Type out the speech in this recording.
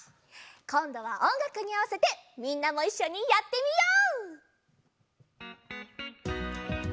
こんどはおんがくにあわせてみんなもいっしょにやってみよう！